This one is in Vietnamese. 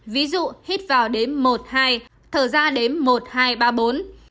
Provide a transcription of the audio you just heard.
ví dụ hít vào đến một hai thở ra đến một hai ba bốn